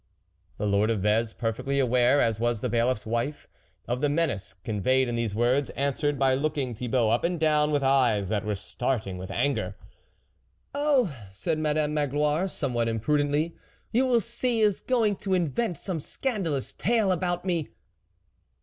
" The lord of Vez, perfectly aware, as was the bailiffs wife, of the menace con veyed in these words, answered by looking Thibault up and down with eyes that were starting with anger. " Oh !" said Madame Magloire, some what imprudently, " you will see, he is going to invent some scandalous tale about me."